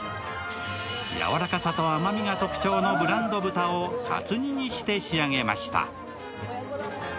やわらかさと甘みが特徴のブランド豚をかつ煮にして仕上げました。